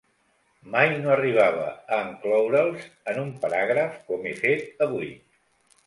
Mai no arribava a encloure'ls en un paràgraf com he fet avui.